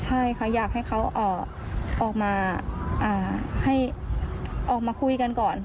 ใช่ค่ะอยากให้เขาออกมาให้ออกมาคุยกันก่อน